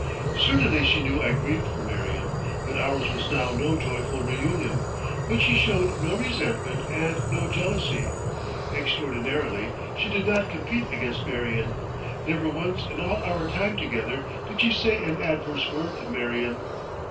Certainly she knew I grieved for Marion, that ours was now no joyful reunion. But she showed no resentment and no jealousy. Extraordinarily, she did not compete against Marion. Never once in all our time together did she say an adverse word of Marion....